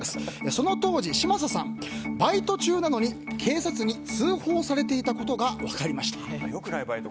その当時、嶋佐さんバイト中なのに警察に通報されていたことが分かりました。